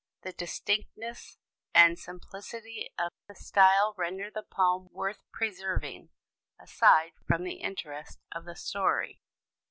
The distinctness and simplicity of the style render the poem worth preserving, aside from the interest of the story.